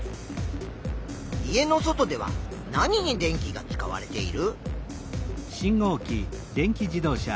家の外では何に電気が使われている？